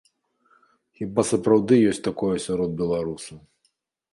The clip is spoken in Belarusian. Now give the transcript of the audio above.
Хіба сапраўды ёсць такое сярод беларусаў.